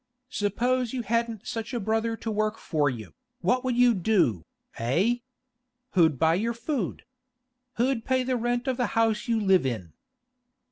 Suppose you hadn't such a brother to work for you, what would you do, eh? Who'd buy your food? Who'd pay the rent of the house you live in?